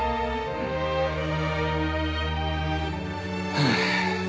はあ。